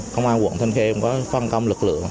công an quận thanh khê có phân công lực lượng